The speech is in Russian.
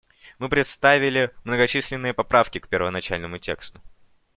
Мы представили многочисленные поправки к первоначальному тексту.